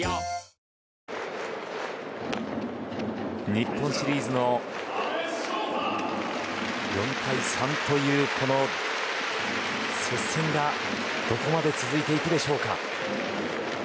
日本シリーズの４対３というこの接戦がどこまで続いていくでしょうか。